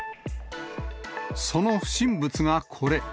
その不審物がこれ。